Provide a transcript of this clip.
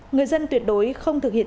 người dân tuyệt đối không thực hiện